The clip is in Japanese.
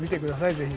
ぜひ。